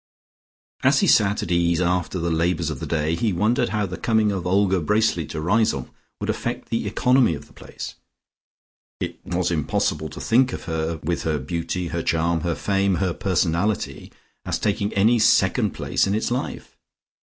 As he sat at ease after the labours of the day he wondered how the coming of Olga Bracely to Riseholme would affect the economy of the place. It was impossible to think of her with her beauty, her charm, her fame, her personality as taking any second place in its life.